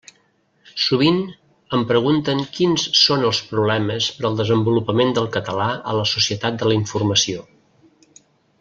Sovint em pregunten quins són els problemes per al desenvolupament del català a la societat de la informació.